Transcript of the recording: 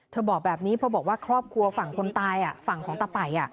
บอกแบบนี้เพราะบอกว่าครอบครัวฝั่งคนตายฝั่งของตะป่าย